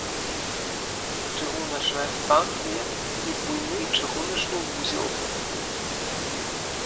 Чыгуначная станцыя і буйны чыгуначны вузел.